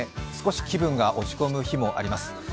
少し気分が落ち込む日もあります。